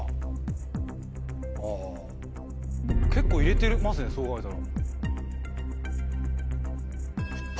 結構入れてますねそう考えたら。